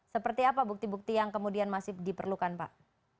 seperti apa bukti bukti yang kemudian masih diperlukan pak